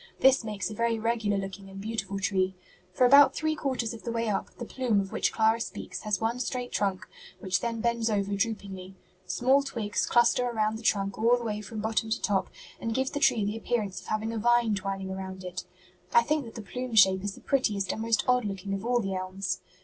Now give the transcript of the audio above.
This makes a very regular looking and beautiful tree. For about three quarters of the way up, the 'plume' of which Clara speaks has one straight trunk, which then bends over droopingly. Small twigs cluster around the trunk all the way from bottom to top and give the tree the appearance of having a vine twining about it. I think that the plume shape is the prettiest and most odd looking of all the elms.